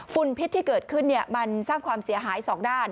พิษที่เกิดขึ้นมันสร้างความเสียหาย๒ด้าน